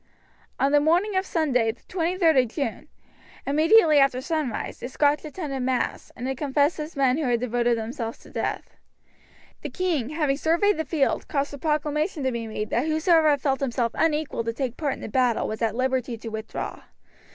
On the morning of Sunday, the 23d of June, immediately after sunrise, the Scotch attended mass, and confessed as men who had devoted themselves to death. The king, having surveyed the field, caused a proclamation to be made that whosoever felt himself unequal to take part in the battle was at liberty to withdraw.